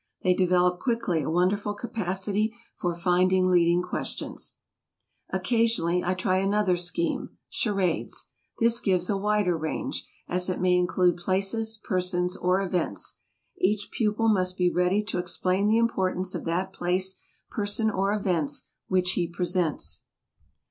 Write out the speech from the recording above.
They develop quickly a wonderful capacity for finding leading questions. Occasionally I try another scheme, charades. This gives a wider range, as it may include places, persons, or events. Each pupil must be ready to explain the importance of that place, person, or events which he presents.